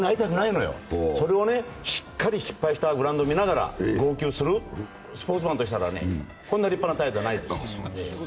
それをしっかり失敗したグラウンドを見ながら号泣する、スポーツマンとしたら、こんな立派な態度はないですよ。